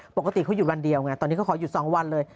ปกติเขาหยุดวันเดียวไงตอนนี้เขาขอหยุด๒วันเลย